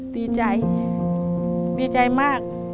ดีใจดีใจมาก